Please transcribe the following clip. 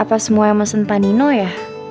apa semua yang pesen panino ya